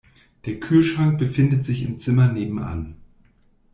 Der Kühlschrank befindet sich im Zimmer nebenan.